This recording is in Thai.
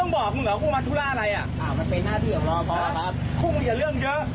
พูดอย่าเรื่องเยอะ